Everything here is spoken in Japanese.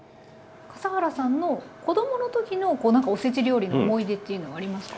笠原さんの子供の時のおせち料理の思い出っていうのはありますか？